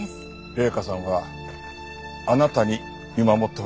麗華さんはあなたに見守ってほしいんですよ。